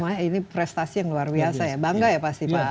wah ini prestasi yang luar biasa ya bangga ya pasti pak